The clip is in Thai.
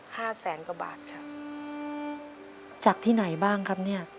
ห้าแสนกว่าบาทครับจากที่ไหนบ้างครับเนี้ย